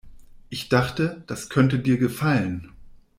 Ich dachte, das könnte dir gefallen.